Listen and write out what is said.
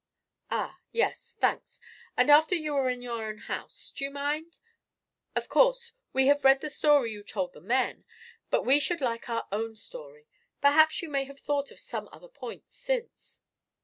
"Ah yes. Thanks. And after you were in your own house? Do you mind? Of course, we have read the story you told the men, but we should like our own story. Perhaps you may have thought of some other points since."